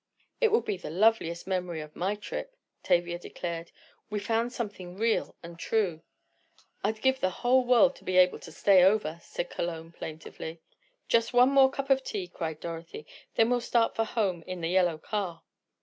"It will be the loveliest memory of my trip," Tavia declared. "We found something real and true!" "I'd give the whole world to be able to stay over," said Cologne, plaintively. "Just one more cup of tea!" cried Dorothy, "then we'll start for home in the yellow car."